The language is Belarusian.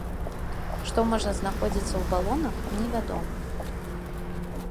Што можа знаходзіцца ў балонах, невядома.